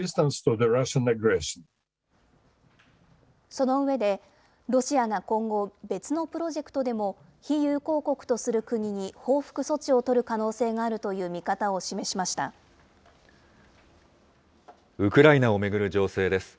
その上で、ロシアが今後、別のプロジェクトでも非友好国とする国に報復措置を取る可能性がウクライナを巡る情勢です。